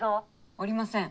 おりません。